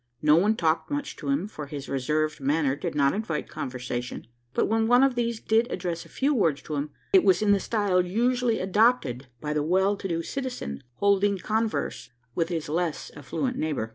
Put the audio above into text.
No one talked much to him: for his reserved manner did not invite conversation; but when one of these did address a few words to him, it was in the style usually adopted by the well to do citizen, holding converse with his less affluent neighbour.